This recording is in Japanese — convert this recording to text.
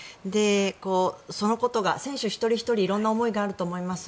そのことが、選手一人ひとり色んな思いがあると思います。